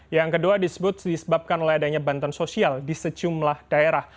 yang kedua disebut disebabkan oleh adanya bantuan sosial di sejumlah daerah